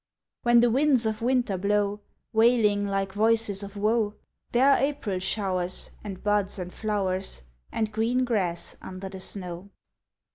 When the winds of winter blow, Wailing like voices of woe, There are April showers, And buds and flowers, And green grass under the snow.